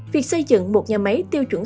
việc xây dựng một nhà máy